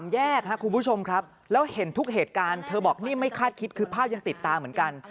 แยกครับคุณผู้ชมครับแล้วเห็นทุกเหตุการณ์เธอบอกนี่ไม่คาดคิดคือภาพยังติดตาเหมือนกัน